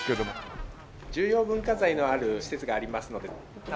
重要文化財のある施設がありますので。